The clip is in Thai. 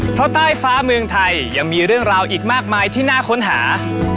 เพราะใต้ฟ้าเมืองไทยยังมีเรื่องราวอีกมากมายที่น่าค้นหา